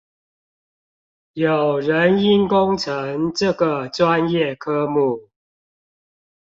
有人因工程這個專業科目